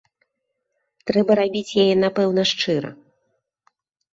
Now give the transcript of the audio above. Трэба рабіць яе, напэўна, шчыра.